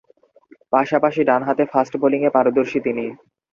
পাশাপাশি ডানহাতে ফাস্ট বোলিংয়ে পারদর্শী তিনি।